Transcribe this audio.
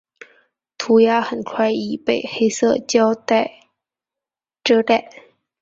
涂鸦很快已被黑色胶袋遮盖。